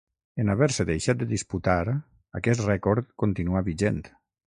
En haver-se deixat de disputar aquest rècord continua vigent.